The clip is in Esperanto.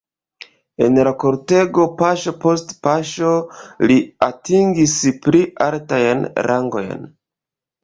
En la kortego paŝo post paŝo li atingis pli altajn rangojn.